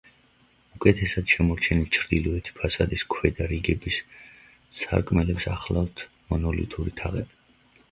უკეთესად შემორჩენილ ჩრდილოეთი ფასადის ქვედა რიგების სარკმელებს ახლავთ მონოლითური თაღები.